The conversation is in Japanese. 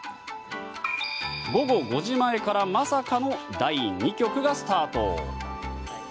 午後５時前からまさかの第２局がスタート。